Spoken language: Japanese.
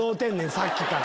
さっきから。